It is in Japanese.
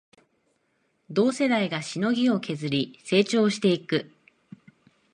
同世代がしのぎを削り成長していく